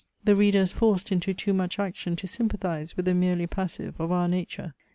The reader is forced into too much action to sympathize with the merely passive of our nature.